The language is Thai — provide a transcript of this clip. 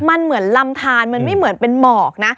มันเหมือนลำทานมันไม่เหมือนเป็นหมอกนะ